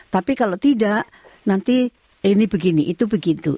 tapi kalau tidak nanti ini begini itu begitu